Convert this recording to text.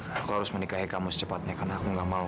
aku harus menikahi kamu secepatnya karena aku gak mau